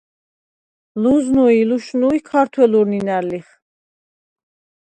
ლჷზნუ ი ლუშნუი̄ ქართველურ ნჷნა̈რ ლიხ.